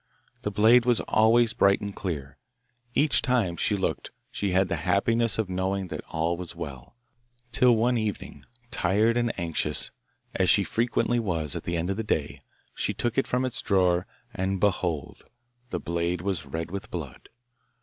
The blade was always bright and clear; each time she looked she had the happiness of knowing that all was well, till one evening, tired and anxious, as she frequently was at the end of the day, she took it from its drawer, and behold! the blade was red with blood.